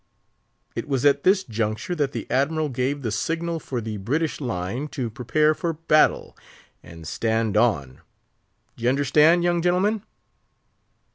It was at this juncture that the Admiral gave the signal for the British line to prepare for battle, and stand on. D'ye understand, young gentlemen?